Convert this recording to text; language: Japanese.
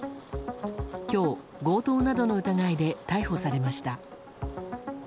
今日、強盗などの疑いで逮捕されました。